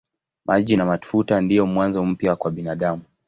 Maji na mafuta ndiyo mwanzo mpya kwa binadamu.